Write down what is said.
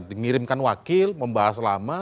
dimirimkan wakil membahas lama